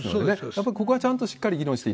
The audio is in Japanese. やっぱりここはちゃんとしっかり議論して。